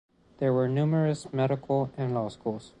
There were numerous medical and law schools.